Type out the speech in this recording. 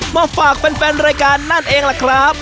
มาฝากแฟนรายการนั่นเองล่ะครับ